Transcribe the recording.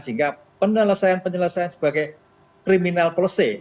sehingga penyelesaian penyelesaian sebagai kriminal plese